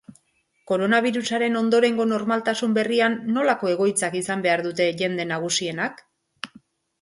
Koronabirusaren ondorengo normaltasun berrian nolako egoitzak izan behar dute jende nagusienak?